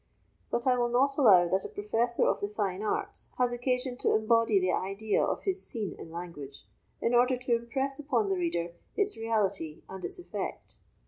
But I will not allow that a professor of the fine arts has occasion to embody the idea of his scene in language, in order to impress upon the reader its reality and its effect.